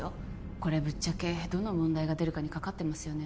これぶっちゃけどの問題が出るかにかかってますよね